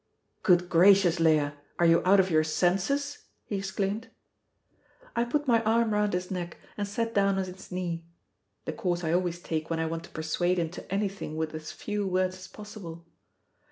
"Good gracious, Leah! are you out of your senses?" he exclaimed. I put my arm round his neck and sat down on his knee (the course I always take when I want to persuade him to anything with as few words as possible).